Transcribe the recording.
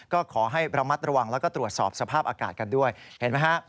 ก็ขอให้ระมัดระวังแล้วก็ตรวจสอบสภาพอากาศกันด้วยเห็นไหมฮะ